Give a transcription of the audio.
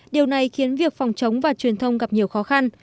điều này khiến việc phòng chống và truyền thông gặp nhiều khó khăn